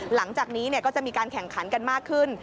หลังจากนี้ก็จะมีการแข่งขันกันมากขึ้น